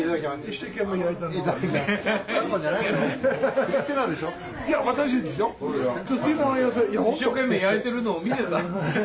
一生懸命焼いているのを見てた。